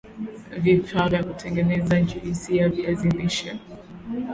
vifaa vya kutengeneza juisi ya viazi lishe